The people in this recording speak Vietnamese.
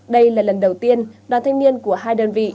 đây là lần đầu tiên đoàn thanh niên của hai đơn vị